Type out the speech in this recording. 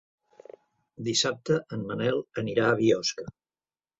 Dissabte en Manel anirà a Biosca.